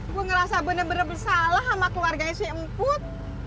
gue ngerasa bener bener salah sama keluarga si emput